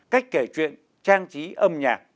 cách kể chuyện trang trí âm nhạc